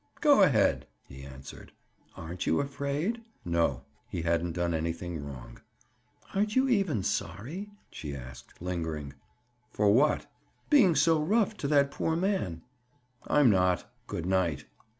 "Go ahead," he answered. "Aren't you afraid?" "No." He hadn't done anything wrong. "Aren't you even sorry?" she asked, lingering. "For what?" "Being so rough to that poor man?" "I'm not. Good night."